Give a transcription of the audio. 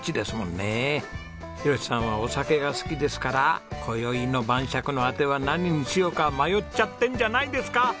博さんはお酒が好きですから今宵の晩酌のアテは何にしようか迷っちゃってんじゃないですか？